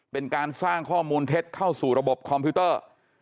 เป็นการสร้างข้อมูลเท็จเข้าสู่ระบบคอมพิวเตอร์